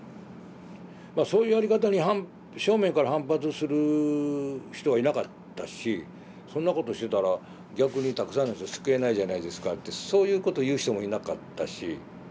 まあそういうやり方に正面から反発する人はいなかったしそんなことしてたら逆にたくさんの人救えないじゃないですかってそういうこと言う人もいなかったし。